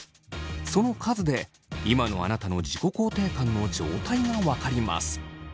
その数で今のあなたの自己肯定感の状態が分かります。